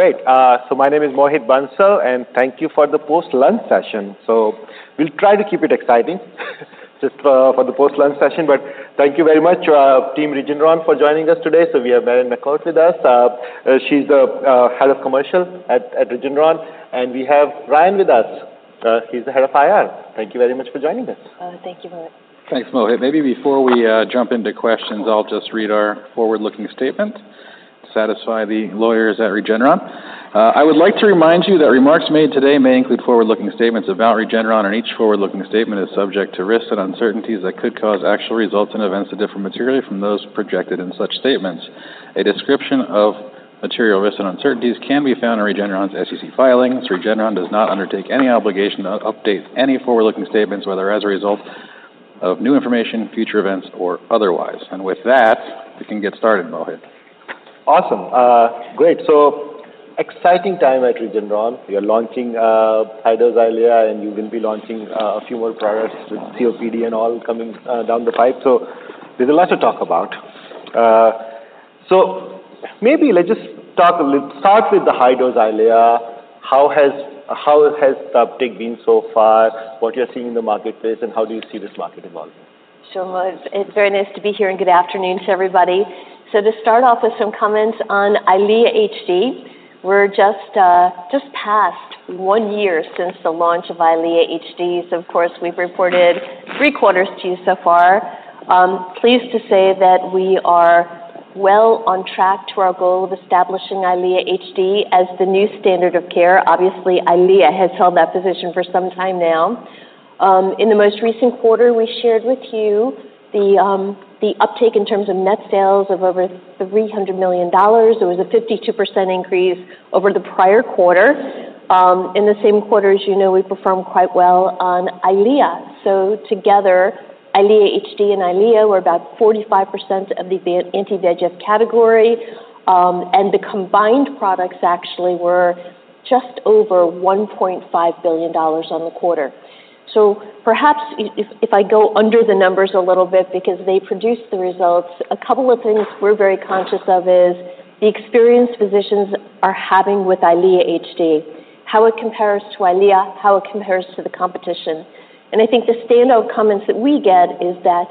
Great. So my name is Mohit Bansal, and thank you for the post-lunch session. So we'll try to keep it exciting, just, for the post-lunch session. But thank you very much, team Regeneron, for joining us today. So we have Marion McCourt with us. She's the Head of Commercial at Regeneron, and we have Ryan with us. He's the Head of Investor Relations. Thank you very much for joining us. Thank you, Mohit. Thanks, Mohit. Maybe before we jump into questions, I'll just read our forward-looking statement, satisfy the lawyers at Regeneron. I would like to remind you that remarks made today may include forward-looking statements about Regeneron, and each forward-looking statement is subject to risks and uncertainties that could cause actual results and events to differ materially from those projected in such statements. A description of material risks and uncertainties can be found in Regeneron's SEC filings. Regeneron does not undertake any obligation to update any forward-looking statements, whether as a result of new information, future events, or otherwise. And with that, we can get started, Mohit. Awesome. Great. So exciting time at Regeneron. You're launching high-dose EYLEA, and you will be launching a few more products with COPD and all coming down the pipe. So there's a lot to talk about. So maybe let's just talk a little. Start with the high-dose EYLEA. How has the uptake been so far? What you're seeing in the marketplace, and how do you see this market evolving? Sure, Mohit. It's very nice to be here, and good afternoon to everybody. So to start off with some comments on EYLEA HD, we're just past one year since the launch of EYLEA HD. So of course, we've reported three quarters to you so far. Pleased to say that we are well on track to our goal of establishing EYLEA HD as the new standard of care. Obviously, EYLEA has held that position for some time now. In the most recent quarter, we shared with you the uptake in terms of net sales of over $300 million. There was a 52% increase over the prior quarter. In the same quarter, as you know, we performed quite well on EYLEA. So together, EYLEA HD and EYLEA were about 45% of the anti-VEGF category. And the combined products actually were just over $1.5 billion on the quarter. So perhaps if I go under the numbers a little bit because they produce the results, a couple of things we're very conscious of is the experienced physicians are having with EYLEA HD, how it compares to EYLEA, how it compares to the competition. And I think the standout comments that we get is that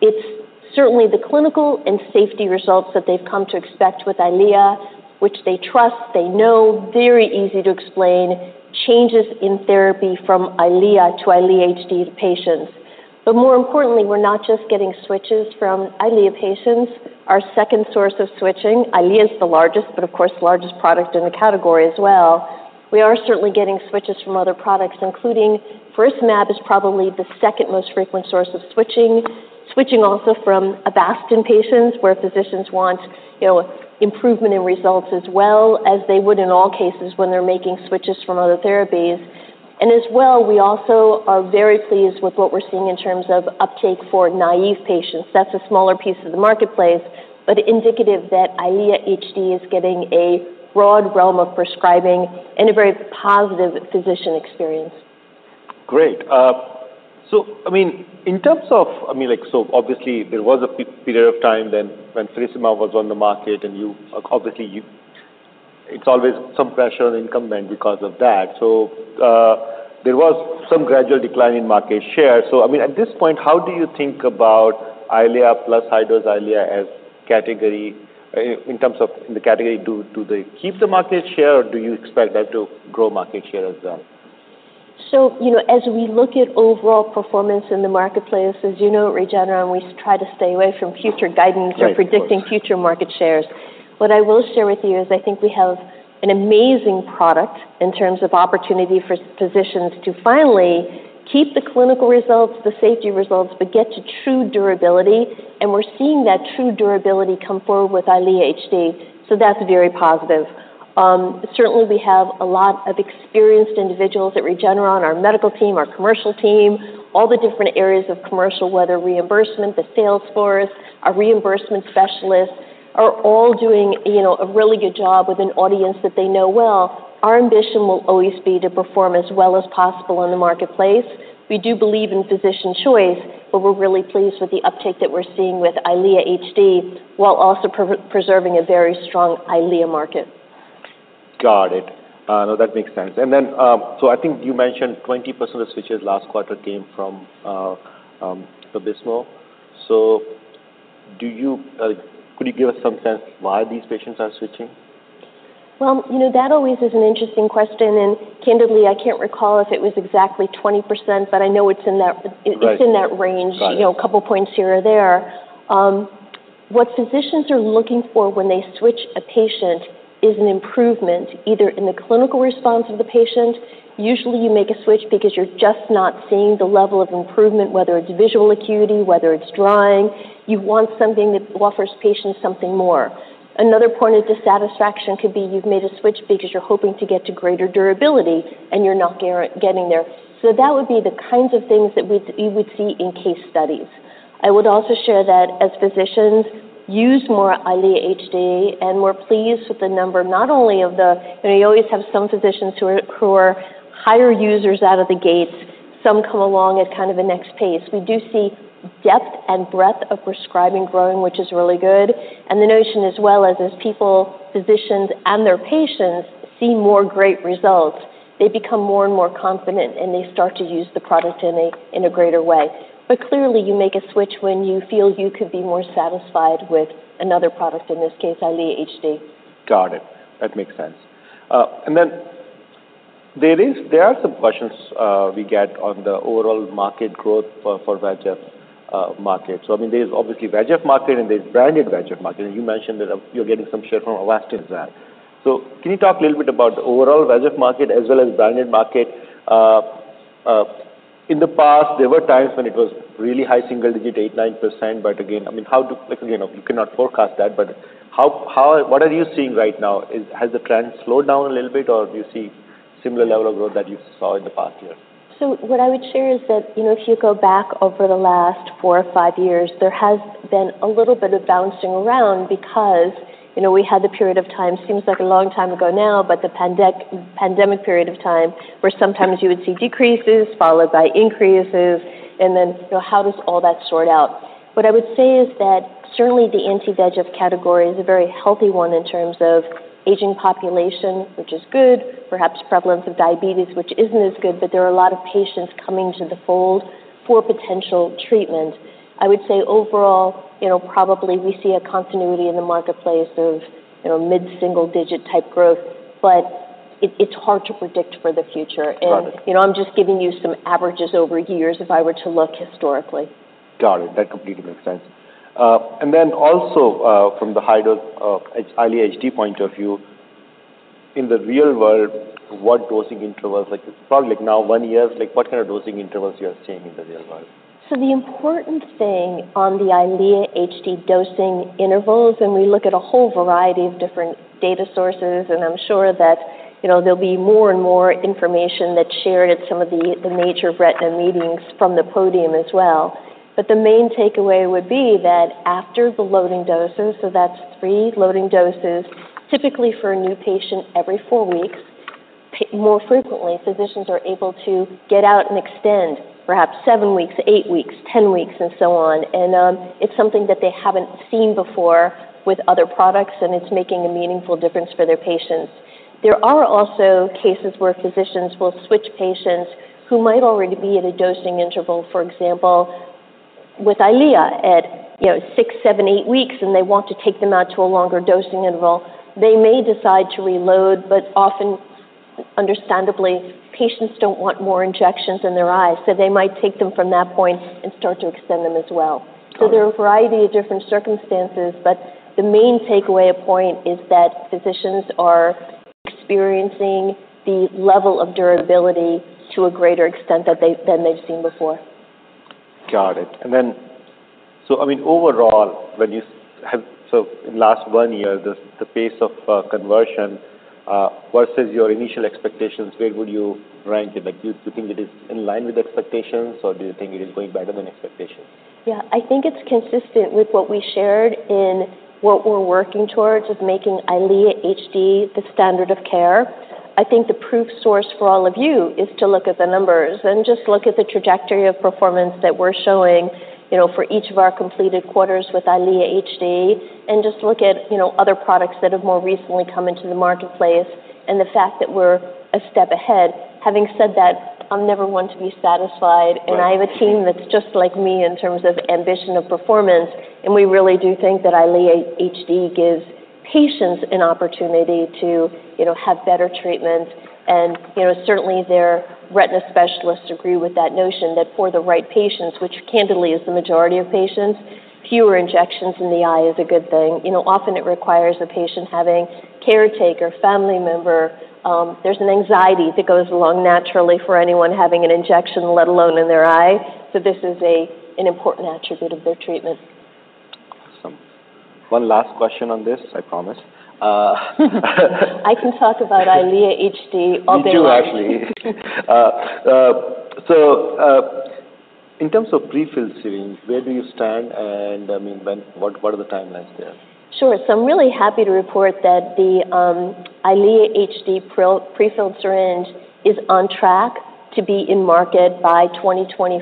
it's certainly the clinical and safety results that they've come to expect with EYLEA, which they trust, they know, very easy to explain changes in therapy from EYLEA to EYLEA HD to patients. But more importantly, we're not just getting switches from EYLEA patients. Our second source of switching, EYLEA is the largest, but of course, the largest product in the category as well. We are certainly getting switches from other products, including LUCENTIS, which is probably the second most frequent source of switching. Switching also from Avastin patients, where physicians want, you know, improvement in results as well as they would in all cases when they're making switches from other therapies. And as well, we also are very pleased with what we're seeing in terms of uptake for naive patients. That's a smaller piece of the marketplace, but indicative that EYLEA HD is getting a broad realm of prescribing and a very positive physician experience. Great. So I mean, in terms of... I mean, like, so obviously, there was a period of time then when LUCENTIS was on the market, and obviously, it's always some pressure on incumbent because of that. So, there was some gradual decline in market share. So I mean, at this point, how do you think about EYLEA plus high-dose EYLEA as category, in terms of the category? Do they keep the market share, or do you expect that to grow market share as well? So, you know, as we look at overall performance in the marketplace, as you know, Regeneron, we try to stay away from future guidance. Right. Or predicting future market shares. What I will share with you is I think we have an amazing product in terms of opportunity for physicians to finally keep the clinical results, the safety results, but get to true durability, and we're seeing that true durability come forward with EYLEA HD. So that's very positive. Certainly, we have a lot of experienced individuals at Regeneron, our medical team, our commercial team, all the different areas of commercial, whether reimbursement, the sales force, our reimbursement specialists, are all doing, you know, a really good job with an audience that they know well. Our ambition will always be to perform as well as possible in the marketplace. We do believe in physician choice, but we're really pleased with the uptake that we're seeing with EYLEA HD, while also preserving a very strong EYLEA market. Got it. No, that makes sense. And then, so I think you mentioned 20% of the switches last quarter came from VABYSMO. So do you... could you give us some sense why these patients are switching? You know, that always is an interesting question, and candidly, I can't recall if it was exactly 20%, but I know it's in that. Right. It's in that range. Right. You know, a couple points here or there. What physicians are looking for when they switch a patient is an improvement, either in the clinical response of the patient. Usually, you make a switch because you're just not seeing the level of improvement, whether it's visual acuity, whether it's drying. You want something that offers patients something more. Another point of dissatisfaction could be you've made a switch because you're hoping to get to greater durability, and you're not getting there. So that would be the kinds of things that you would see in case studies. I would also share that as physicians use more EYLEA HD and we're pleased with the number, not only of the. You always have some physicians who are higher users out of the gates. Some come along at kind of a next pace. We do see depth and breadth of prescribing growing, which is really good, and the notion as well as, as people, physicians, and their patients see more great results, they become more and more confident, and they start to use the product in a greater way, but clearly, you make a switch when you feel you could be more satisfied with another product, in this case, EYLEA HD. Got it. That makes sense. And then there are some questions we get on the overall market growth for VEGF market. So I mean, there's obviously VEGF market, and there's branded VEGF market, and you mentioned that you're getting some share from Avastin there. So can you talk a little bit about the overall VEGF market as well as branded market? In the past, there were times when it was really high single-digit 8%, 9%, but again, I mean... Like, again, you cannot forecast that, but how- what are you seeing right now? Has the trend slowed down a little bit, or do you see similar level of growth that you saw in the past year? So what I would share is that, you know, if you go back over the last four or five years, there has been a little bit of bouncing around because, you know, we had the period of time, seems like a long time ago now, but the pandemic period of time, where sometimes you would see decreases followed by increases, and then, so how does all that sort out? What I would say is that certainly the anti-VEGF category is a very healthy one in terms of aging population, which is good, perhaps prevalence of diabetes, which isn't as good, but there are a lot of patients coming to the fold for potential treatment. I would say overall, you know, probably we see a continuity in the marketplace of, you know, mid-single digit type growth, but it's hard to predict for the future. Got it. You know, I'm just giving you some averages over years if I were to look historically. Got it. That completely makes sense. And then also, from the high dose of EYLEA HD point of view, in the real world, what dosing intervals, like, probably like now one year, like, what kind of dosing intervals you are seeing in the real world? So the important thing on the EYLEA HD dosing intervals, and we look at a whole variety of different data sources, and I'm sure that, you know, there'll be more and more information that's shared at some of the major retina meetings from the podium as well. But the main takeaway would be that after the loading doses, so that's three loading doses, typically for a new patient every four weeks, more frequently, physicians are able to get out and extend perhaps seven weeks, eight weeks, 10 weeks, and so on. And it's something that they haven't seen before with other products, and it's making a meaningful difference for their patients. There are also cases where physicians will switch patients who might already be at a dosing interval, for example, with EYLEA at, you know, six, seven, eight weeks, and they want to take them out to a longer dosing interval. They may decide to reload, but often, understandably, patients don't want more injections in their eyes, so they might take them from that point and start to extend them as well. Got it. There are a variety of different circumstances, but the main takeaway point is that physicians are experiencing the level of durability to a greater extent than they've seen before. Got it. And then, so I mean, overall, when you have... So in last one year, the pace of conversion versus your initial expectations, where would you rank it? Like, do you think it is in line with expectations, or do you think it is going better than expectations? Yeah. I think it's consistent with what we shared and what we're working towards, is making EYLEA HD the standard of care. I think the proof is, for all of you, to look at the numbers and just look at the trajectory of performance that we're showing, you know, for each of our completed quarters with EYLEA HD, and just look at, you know, other products that have more recently come into the marketplace and the fact that we're a step ahead. Having said that, I'm never one to be satisfied. Right. And I have a team that's just like me in terms of ambition of performance, and we really do think that EYLEA HD gives patients an opportunity to, you know, have better treatment. And, you know, certainly, their retina specialists agree with that notion, that for the right patients, which candidly is the majority of patients, fewer injections in the eye is a good thing. You know, often it requires a patient having caretaker, family member, there's an anxiety that goes along naturally for anyone having an injection, let alone in their eye. So this is an important attribute of their treatment. Awesome. One last question on this, I promise. I can talk about EYLEA HD all day long. Me too, actually. So, in terms of prefilled syringe, where do you stand, and, I mean, what are the timelines there? Sure. So I'm really happy to report that the EYLEA HD prefilled syringe is on track to be in market by 2025,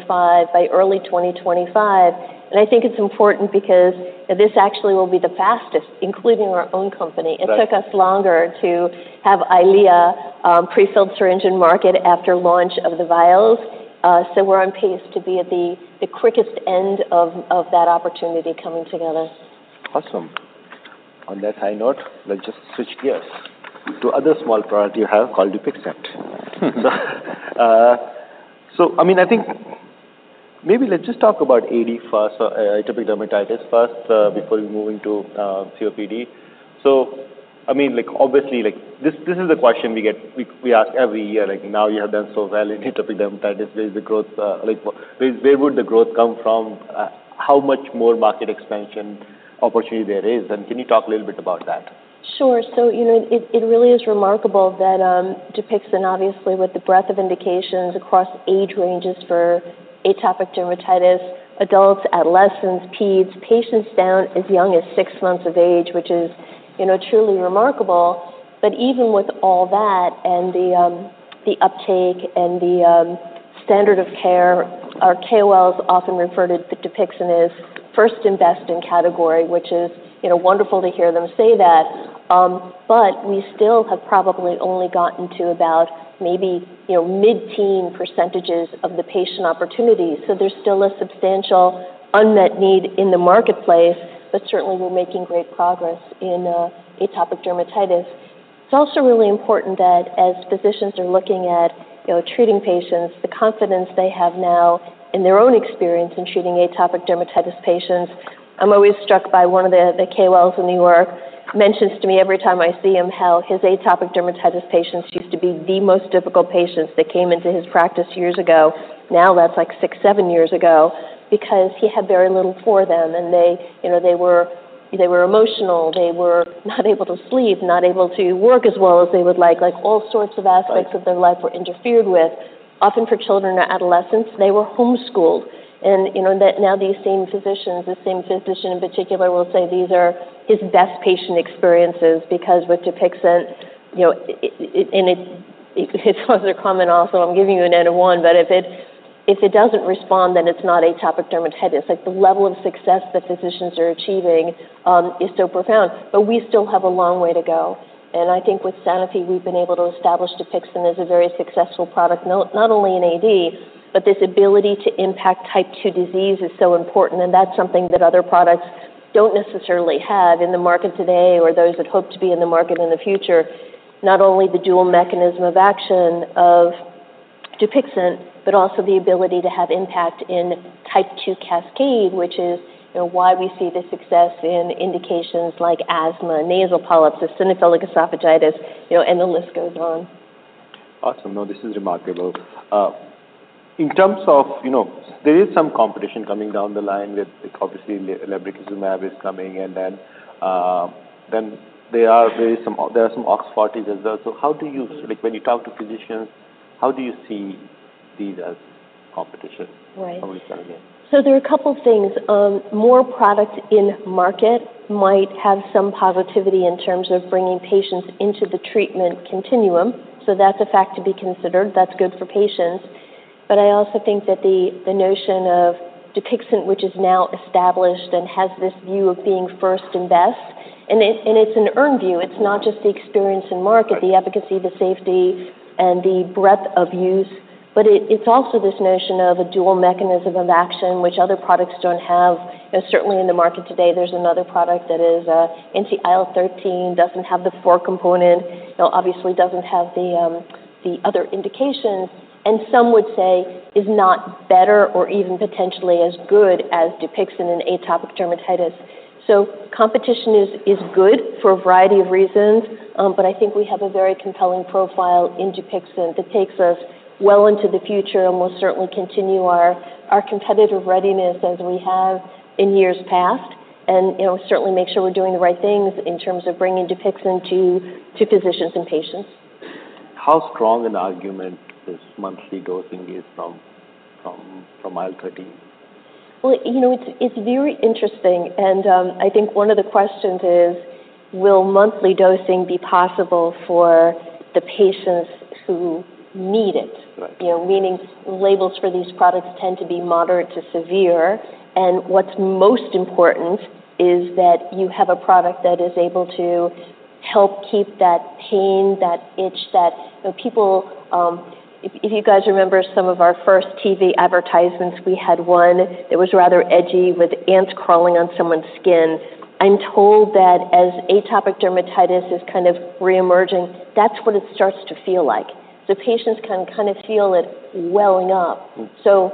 by early 2025. And I think it's important because this actually will be the fastest, including our own company. Right. It took us longer to have EYLEA prefilled syringe in market after launch of the vials. So we're on pace to be at the quickest end of that opportunity coming together. Awesome. On that high note, let's just switch gears to other small product you have called DUPIXENT. So I mean, I think maybe let's just talk about AD first, atopic dermatitis first, before we move into COPD. So I mean, like, obviously, like, this is a question we ask every year, like, now you have done so well in atopic dermatitis, where is the growth, like, where would the growth come from? How much more market expansion opportunity there is, and can you talk a little bit about that? Sure. So, you know, it really is remarkable that, DUPIXENT obviously, with the breadth of indications across age ranges for atopic dermatitis, adults, adolescents, peds, patients down as young as six months of age, which is, you know, truly remarkable... But even with all that and the, the uptake and the, standard of care, our KOLs often refer to DUPIXENT as first and best in category, which is, you know, wonderful to hear them say that. But we still have probably only gotten to about maybe, you know, mid-teen percentages of the patient opportunity. So there's still a substantial unmet need in the marketplace, but certainly we're making great progress in, atopic dermatitis. It's also really important that as physicians are looking at, you know, treating patients, the confidence they have now in their own experience in treating atopic dermatitis patients. I'm always struck by one of the KOLs in New York who mentions to me every time I see him how his atopic dermatitis patients used to be the most difficult patients that came into his practice years ago. Now that's like six, seven years ago because he had very little for them, and they, you know, they were emotional, they were not able to sleep, not able to work as well as they would like, like all sorts of aspects of their life were interfered with. Often for children or adolescents, they were homeschooled. And you know that now these same physicians, the same physician in particular, will say these are his best patient experiences because with DUPIXENT, you know, his other comment also. I'm giving you an N of one, but if it doesn't respond, then it's not atopic dermatitis. Like, the level of success that physicians are achieving is so profound, but we still have a long way to go. I think with Sanofi, we've been able to establish DUPIXENT as a very successful product, not, not only in AD, but this ability to impact Type 2 disease is so important, and that's something that other products don't necessarily have in the market today, or those that hope to be in the market in the future. Not only the dual mechanism of action of DUPIXENT, but also the ability to have impact in Type 2 cascade, which is, you know, why we see the success in indications like asthma, nasal polyps, eosinophilic esophagitis, you know, and the list goes on. Awesome. No, this is remarkable. In terms of... You know, there is some competition coming down the line with, obviously, mepolizumab is coming, and then there are some OX40 as well. So how do you... Like, when you talk to physicians, how do you see these as competition? Right. How are we starting it? So there are a couple things. More product in market might have some positivity in terms of bringing patients into the treatment continuum. So that's a fact to be considered. That's good for patients. But I also think that the, the notion of DUPIXENT, which is now established and has this view of being first and best, and it's, and it's an earned view. It's not just the experience in market. Right. The efficacy, the safety, and the breadth of use, but it, it's also this notion of a dual mechanism of action, which other products don't have. You know, certainly in the market today, there's another product that is anti-IL-13, doesn't have the IL-4 component, obviously doesn't have the other indications, and some would say, is not better or even potentially as good as DUPIXENT in atopic dermatitis. So competition is good for a variety of reasons, but I think we have a very compelling profile in DUPIXENT that takes us well into the future, and we'll certainly continue our competitive readiness as we have in years past, and you know, certainly make sure we're doing the right things in terms of bringing DUPIXENT to physicians and patients. How strong an argument is monthly dosing from IL-13? You know, it's very interesting, and I think one of the questions is: Will monthly dosing be possible for the patients who need it? Right. You know, meaning labels for these products tend to be moderate to severe, and what's most important is that you have a product that is able to help keep that pain, that itch, that... You know, people, if you guys remember some of our first TV advertisements, we had one that was rather edgy with ants crawling on someone's skin. I'm told that as atopic dermatitis is kind of reemerging, that's what it starts to feel like. The patients can kind of feel it welling up. Mm. So,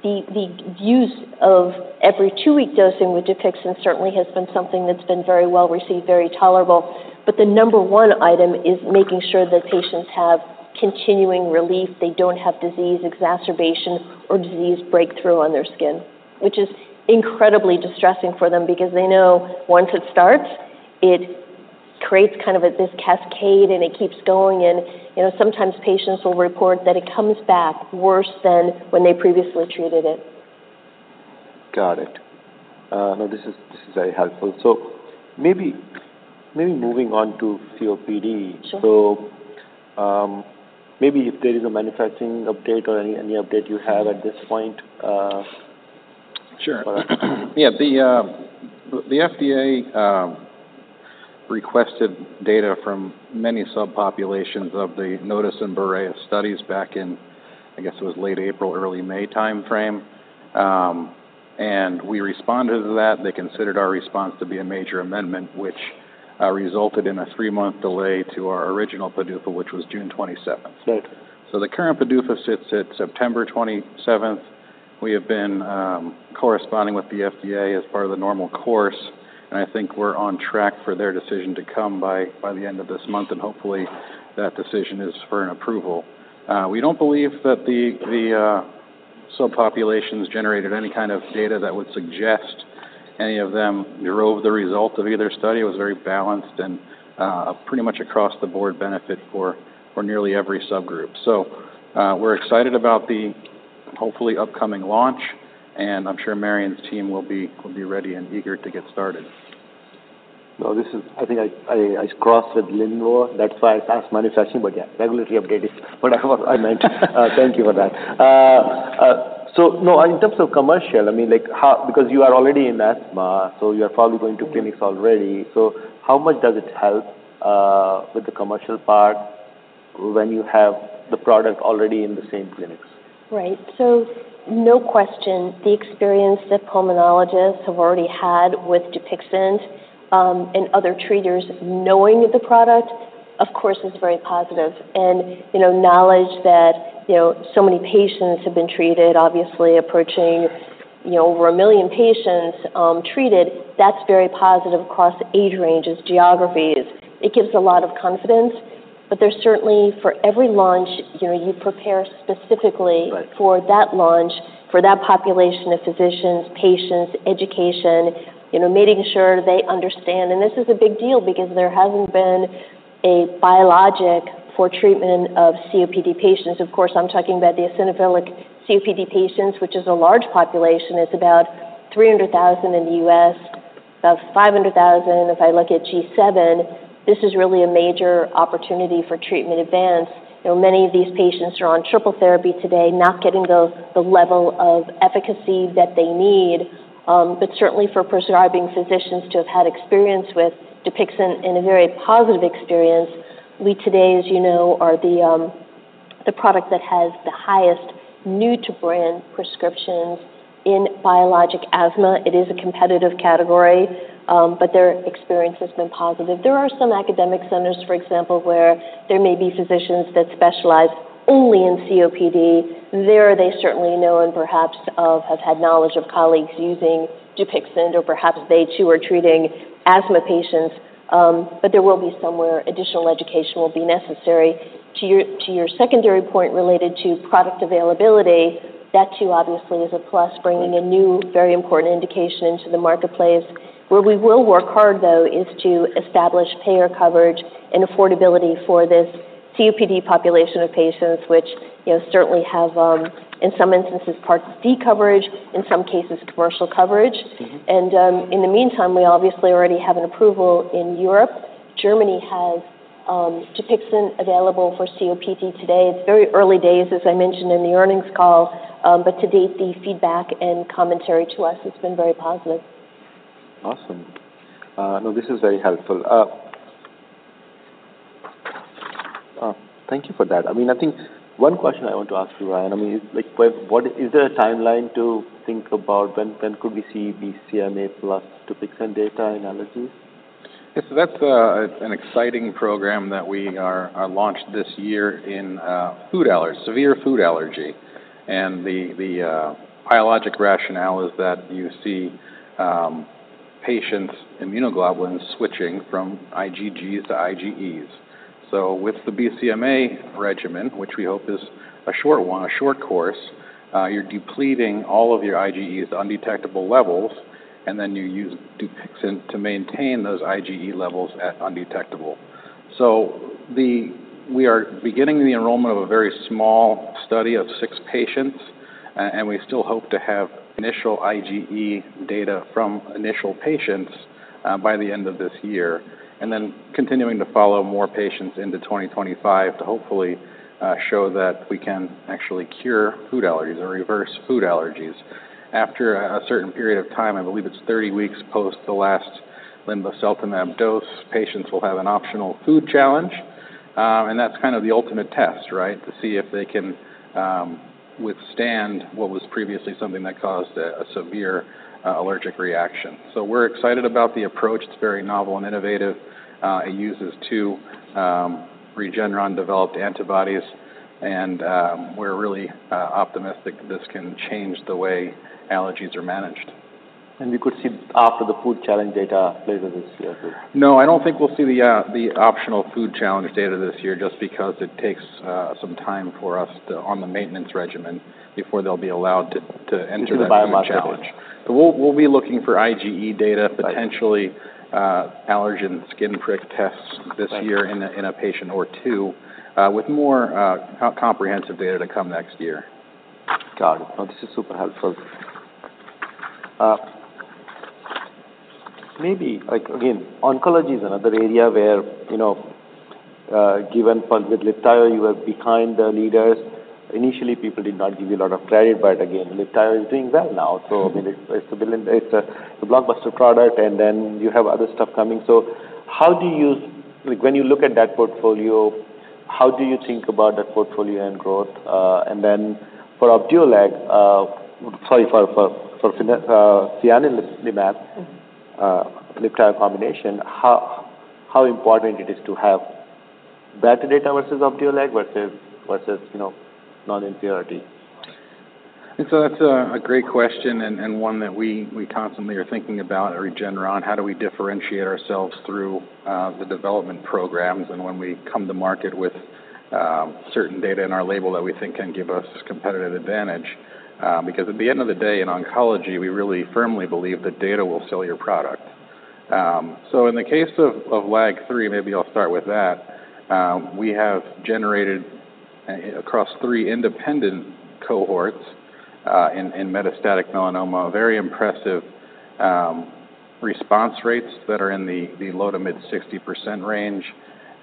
the use of every two-week dosing with DUPIXENT certainly has been something that's been very well-received, very tolerable. But the number one item is making sure that patients have continuing relief. They don't have disease exacerbation or disease breakthrough on their skin, which is incredibly distressing for them because they know once it starts, it creates kind of this cascade, and it keeps going. And, you know, sometimes patients will report that it comes back worse than when they previously treated it. Got it. No, this is, this is very helpful. So maybe, maybe moving on to COPD. Sure. Maybe if there is a manufacturing update or any update you have at this point. Sure. Yeah, the FDA requested data from many subpopulations of the NOTUS and BOREAS studies back in, I guess it was late April, early May timeframe. And we responded to that. They considered our response to be a major amendment, which resulted in a three-month delay to our original PDUFA, which was June 27th. Right. So the current PDUFA sits at September 27th. We have been corresponding with the FDA as part of the normal course, and I think we're on track for their decision to come by, by the end of this month, and hopefully that decision is for an approval. We don't believe that the subpopulations generated any kind of data that would suggest any of them erode the result of either study. It was very balanced and pretty much across the board benefit for nearly every subgroup. So, we're excited about the hopefully upcoming launch, and I'm sure Marion's team will be ready and eager to get started. No, this is, I think I crossed with linvoseltamab. That's why I asked manufacturing, but yeah, regularly updated, whatever I meant. Thank you for that. So no, in terms of commercial, I mean, like, how, because you are already in asthma, so you are probably going to clinics already. So how much does it help with the commercial part when you have the product already in the same clinics? Right. So no question, the experience that pulmonologists have already had with DUPIXENT, and other treaters knowing the product, of course, is very positive. And, you know, knowledge that, you know, so many patients have been treated, obviously approaching, you know, over a million patients, treated, that's very positive across age ranges, geographies. It gives a lot of confidence, but there's certainly for every launch, you know, you prepare specifically- Right. For that launch, for that population of physicians, patients, education, you know, making sure they understand. And this is a big deal because there hasn't been a biologic for treatment of COPD patients. Of course, I'm talking about the eosinophilic COPD patients, which is a large population. It's about 300,000 in the U.S., about 500,000 if I look at G7, this is really a major opportunity for treatment advance. You know, many of these patients are on triple therapy today, not getting the level of efficacy that they need. But certainly for prescribing physicians to have had experience with DUPIXENT in a very positive experience, we today, as you know, are the product that has the highest new to brand prescriptions in biologic asthma. It is a competitive category, but their experience has been positive. There are some academic centers, for example, where there may be physicians that specialize only in COPD. There, they certainly know and perhaps have had knowledge of colleagues using DUPIXENT, or perhaps they, too, are treating asthma patients, but there will be some additional education necessary. To your, to your secondary point related to product availability, that too, obviously, is a plus, bringing a new, very important indication into the marketplace. Where we will work hard, though, is to establish payer coverage and affordability for this COPD population of patients, which, you know, certainly have, in some instances, Part D coverage, in some cases, commercial coverage. Mm-hmm. In the meantime, we obviously already have an approval in Europe. Germany has DUPIXENT available for COPD today. It's very early days, as I mentioned in the earnings call, but to date, the feedback and commentary to us has been very positive. Awesome. No, this is very helpful. Thank you for that. I mean, I think one question I want to ask you, Ryan, I mean, like, is there a timeline to think about when, when could we see BCMA plus DUPIXENT data in allergies? Yes, so that's an exciting program that we are launched this year in food allergies, severe food allergy. And the biologic rationale is that you see patients' immunoglobulins switching from IgGs to IgEs. So with the BCMA regimen, which we hope is a short one, a short course, you're depleting all of your IgEs undetectable levels, and then you use DUPIXENT to maintain those IgE levels at undetectable. So we are beginning the enrollment of a very small study of six patients, and we still hope to have initial IgE data from initial patients by the end of this year, and then continuing to follow more patients into 2025 to hopefully show that we can actually cure food allergies or reverse food allergies. After a certain period of time, I believe it's 30 weeks post the last linvoseltamab dose, patients will have an optional food challenge, and that's kind of the ultimate test, right? To see if they can withstand what was previously something that caused a severe allergic reaction. So we're excited about the approach. It's very novel and innovative. It uses two Regeneron-developed antibodies, and we're really optimistic this can change the way allergies are managed. We could see after the food challenge data later this year? No, I don't think we'll see the optional food challenge data this year, just because it takes some time for us to... on the maintenance regimen before they'll be allowed to enter that food challenge. Into the biomarker. But we'll be looking for IgE data. Right. Potentially, allergen skin prick tests this year. Right, In a patient or two, with more comprehensive data to come next year. Got it. No, this is super helpful. Maybe, like, again, oncology is another area where, you know, given for with LIBTAYO, you were behind the leaders. Initially, people did not give you a lot of credit, but again, LIBTAYO is doing well now. So I mean, it's a billion, it's a blockbuster product, and then you have other stuff coming. So how do you... Like, when you look at that portfolio, how do you think about that portfolio and growth? And then for Opdualag, sorry, for Fianlimab/LIBTAYO combination, how important it is to have that data versus Opdualag versus, you know, non-inferiority? So that's a great question and one that we constantly are thinking about at Regeneron. How do we differentiate ourselves through the development programs and when we come to market with certain data in our label that we think can give us competitive advantage? Because at the end of the day, in oncology, we really firmly believe that data will sell your product. So in the case of LAG-3, maybe I'll start with that. We have generated across three independent cohorts in metastatic melanoma, very impressive response rates that are in the low- to mid-60% range,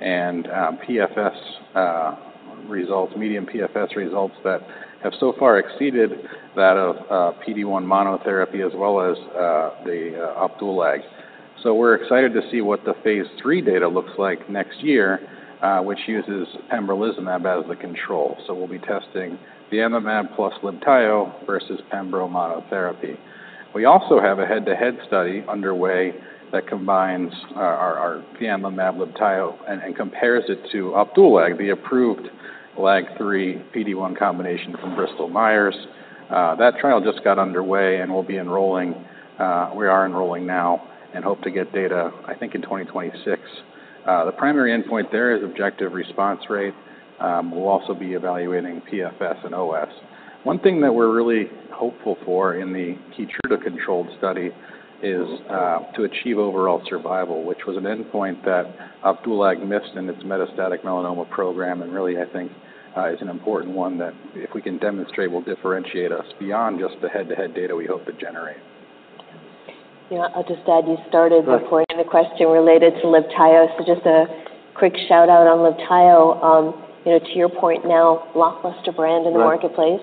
and PFS results, median PFS results that have so far exceeded that of PD-1 monotherapy as well as the Opdualag. So we're excited to see what the phase three data looks like next year, which uses pembrolizumab as the control, so we'll be testing the Fianlimab plus LIBTAYO versus pembro monotherapy. We also have a head-to-head study underway that combines our Fianlimab/LIBTAYO and compares it to Opdualag, the approved LAG-3 PD-1 combination from Bristol Myers. That trial just got underway, and we'll be enrolling. We are enrolling now and hope to get data, I think, in 2026. The primary endpoint there is objective response rate. We'll also be evaluating PFS and OS. One thing that we're really hopeful for in the KEYTRUDA-controlled study is to achieve overall survival, which was an endpoint that Opdualag missed in its metastatic melanoma program, and really, I think, is an important one that if we can demonstrate, will differentiate us beyond just the head-to-head data we hope to generate. Yeah. I'll just add, you started- Good. By pointing the question related to LIBTAYO. So just a quick shout-out on LIBTAYO. You know, to your point now, lackluster brand in the marketplace.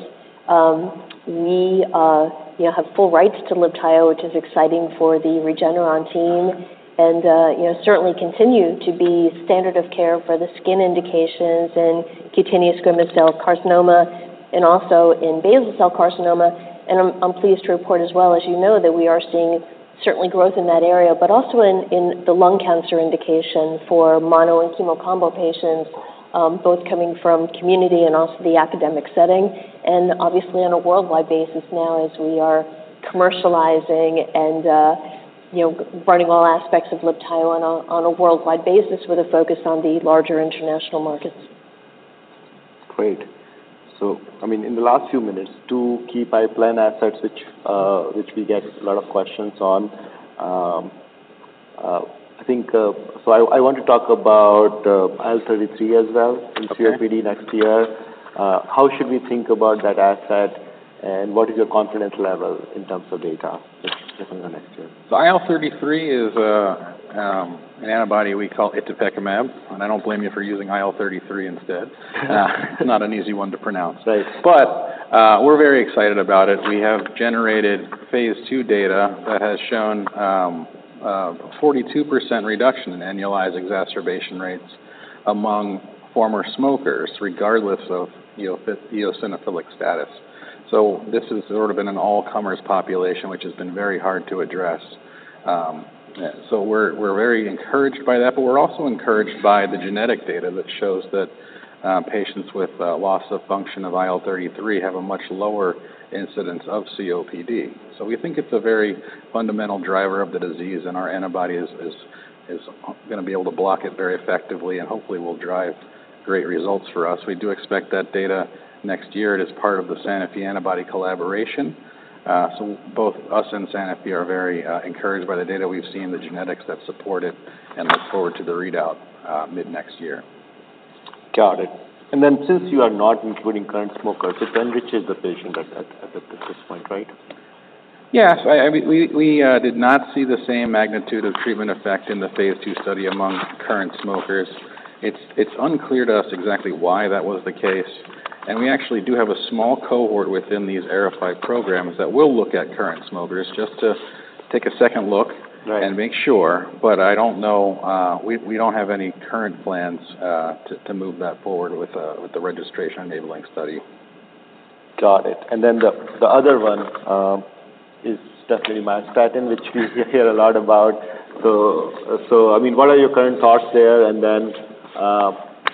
Right. We, you know, have full rights to LIBTAYO, which is exciting for the Regeneron team and, you know, certainly continue to be standard of care for the skin indications and cutaneous squamous cell carcinoma and also in basal cell carcinoma. And I'm pleased to report as well, as you know, that we are seeing certainly growth in that area, but also in the lung cancer indication for mono and chemo combo patients, both coming from community and also the academic setting, and obviously on a worldwide basis now as we are commercializing and, you know, running all aspects of LIBTAYO on a worldwide basis with a focus on the larger international markets. Great. So, I mean, in the last few minutes, two key pipeline assets which we get a lot of questions on. So I want to talk about IL-33 as well. Okay. In COPD next year. How should we think about that asset, and what is your confidence level in terms of data just in the next year? So IL-33 is an antibody we call itepekimab, and I don't blame you for using IL-33 instead. It's not an easy one to pronounce. Right. We're very excited about it. We have generated phase II data that has shown 42% reduction in annualized exacerbation rates among former smokers, regardless of eosinophilic status. So this has sort of been an all-comers population, which has been very hard to address. So we're very encouraged by that, but we're also encouraged by the genetic data that shows that patients with loss of function of IL-33 have a much lower incidence of COPD. So we think it's a very fundamental driver of the disease, and our antibody is gonna be able to block it very effectively and hopefully will drive great results for us. We do expect that data next year. It is part of the Sanofi antibody collaboration. So both us and Sanofi are very encouraged by the data we've seen, the genetics that support it, and look forward to the readout mid-next year. Got it. And then, since you are not including current smokers, so then, which is the patient at this point, right? Yes. I mean, we did not see the same magnitude of treatment effect in the phase II study among current smokers. It's unclear to us exactly why that was the case, and we actually do have a small cohort within these AERIFY programs that will look at current smokers, just to take a second look. Right.... and make sure. But I don't know, we don't have any current plans to move that forward with the registration enabling study. Got it. And then the other one is definitely myostatin, which we hear a lot about. So, I mean, what are your current thoughts there? And then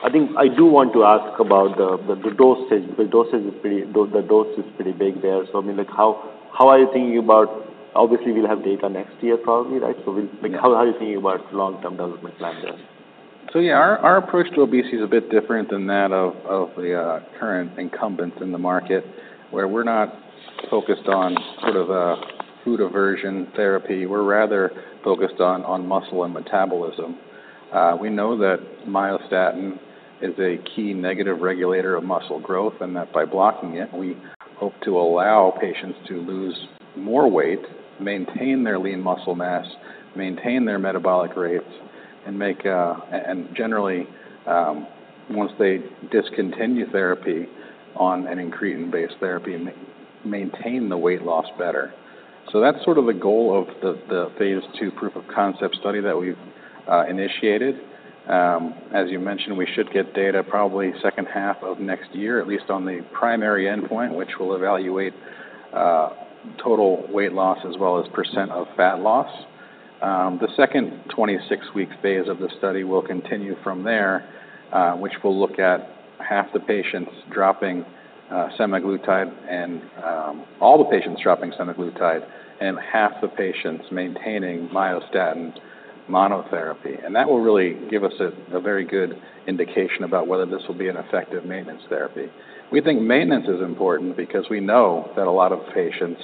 I think I do want to ask about the dosage. The dose is pretty big there. So, I mean, like, how are you thinking about... Obviously, we'll have data next year probably, right? So we- Yeah. How are you thinking about long-term development plan there? So yeah, our approach to obesity is a bit different than that of the current incumbents in the market, where we're not focused on sort of food aversion therapy. We're rather focused on muscle and metabolism. We know that myostatin is a key negative regulator of muscle growth, and that by blocking it, we hope to allow patients to lose more weight, maintain their lean muscle mass, maintain their metabolic rates, and generally, once they discontinue therapy on an incretin-based therapy, maintain the weight loss better. So that's sort of the goal of the phase two proof of concept study that we've initiated. As you mentioned, we should get data probably second half of next year, at least on the primary endpoint, which will evaluate total weight loss as well as percent of fat loss. The second 26-week phase of the study will continue from there, which will look at half the patients dropping semaglutide, and all the patients dropping semaglutide, and half the patients maintaining myostatin monotherapy, and that will really give us a very good indication about whether this will be an effective maintenance therapy. We think maintenance is important because we know that a lot of patients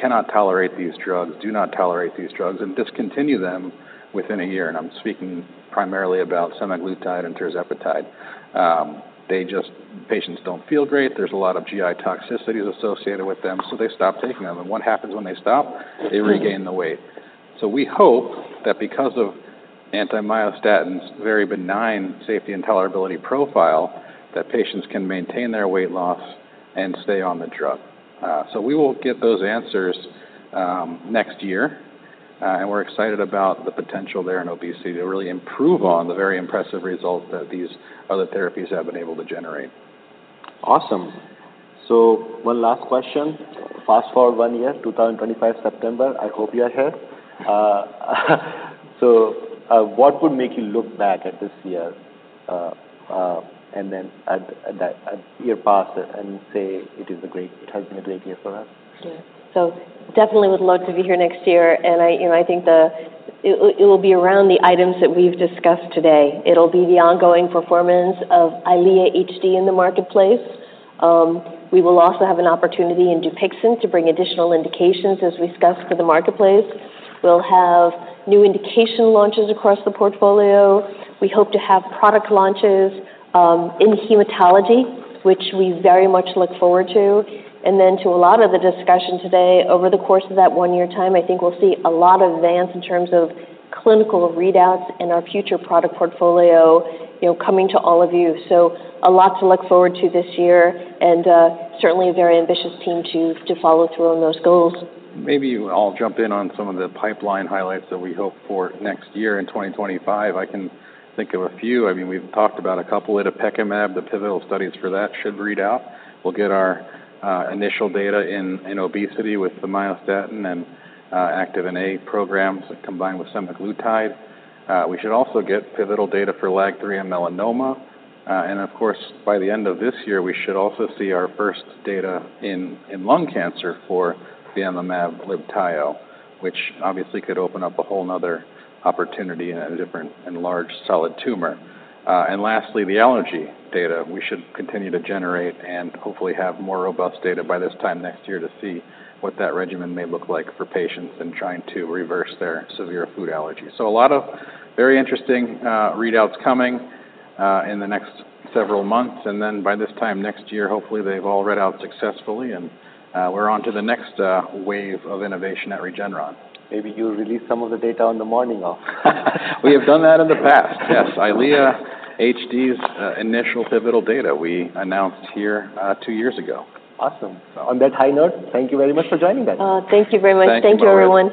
cannot tolerate these drugs, do not tolerate these drugs, and discontinue them within a year, and I'm speaking primarily about semaglutide and tirzepatide. They just... Patients don't feel great. There's a lot of GI toxicities associated with them, so they stop taking them, and what happens when they stop? They regain the weight, so we hope that because of anti-myostatin's very benign safety and tolerability profile, that patients can maintain their weight loss and stay on the drug. So we will get those answers next year, and we're excited about the potential there in obesity to really improve on the very impressive results that these other therapies have been able to generate. Awesome. So one last question. Fast-forward one year, 2025 September, I hope you are here. So, what would make you look back at this year and then at that, a year past it and say it is a great- it has been a great year for us? Yeah. So definitely would love to be here next year, and I, you know, I think it will be around the items that we've discussed today. It'll be the ongoing performance of EYLEA HD in the marketplace. We will also have an opportunity in DUPIXENT to bring additional indications, as we discussed, for the marketplace. We'll have new indication launches across the portfolio. We hope to have product launches in hematology, which we very much look forward to. And then to a lot of the discussion today, over the course of that one-year time, I think we'll see a lot of advance in terms of clinical readouts and our future product portfolio, you know, coming to all of you. So a lot to look forward to this year, and certainly a very ambitious team to follow through on those goals. Maybe I'll jump in on some of the pipeline highlights that we hope for next year in 2025. I can think of a few. I mean, we've talked about a couple. Itepekimab, the pivotal studies for that should read out. We'll get our initial data in obesity with the myostatin and Activin A programs combined with semaglutide. We should also get pivotal data for LAG-3 and melanoma. And of course, by the end of this year, we should also see our first data in lung cancer for Fianlimab/LIBTAYO, which obviously could open up a whole another opportunity in a different and large solid tumor. And lastly, the allergy data. We should continue to generate and hopefully have more robust data by this time next year to see what that regimen may look like for patients in trying to reverse their severe food allergies, so a lot of very interesting readouts coming in the next several months, and then by this time next year, hopefully they've all read out successfully, and we're on to the next wave of innovation at Regeneron. Maybe you'll release some of the data on the morning of. We have done that in the past, yes. EYLEA HD's initial pivotal data we announced here two years ago. Awesome. So on that high note, thank you very much for joining us. Oh, thank you very much. Thank you. Thank you, everyone.